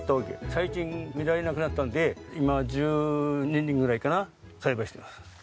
最近見られなくなったので今１２人ぐらいかな栽培してます。